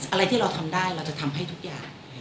อะไรที่เราทำได้เราจะทำให้ทุกอย่าง